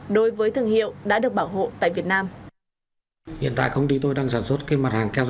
đối với thương hiệu đã được bảo hộ tại việt nam